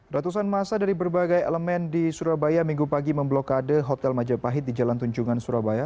ratusan masa dari berbagai elemen di surabaya minggu pagi memblokade hotel majapahit di jalan tunjungan surabaya